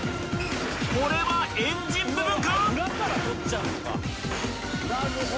これはエンジン部分か？